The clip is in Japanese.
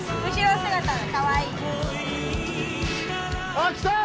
あっきた！